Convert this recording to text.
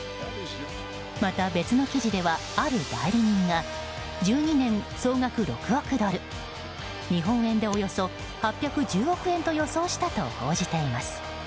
また別の記事では、ある代理人が１２年総額６億ドル日本円でおよそ８１０億円と予想したと報じています。